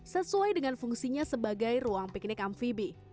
sesuai dengan fungsinya sebagai jatah